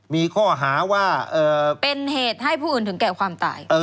มีข้อหาว่าเป็นเหตุให้ผู้อื่นถึงแก่ความตาย